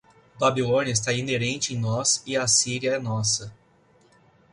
Babilônia está inerente em nós e a Assíria é nossa